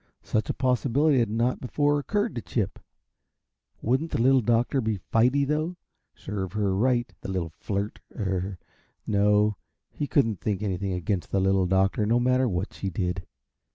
Such a possibility had not before occurred to Chip wouldn't the Little Doctor be fighty, though? Serve her right, the little flirt er no, he couldn't think anything against the Little Doctor, no matter what she did.